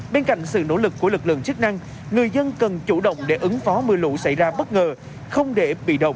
bên cạnh sự nỗ lực của lực lượng chức năng người dân cần chủ động để ứng phó mưa lũ xảy ra bất ngờ không để bị động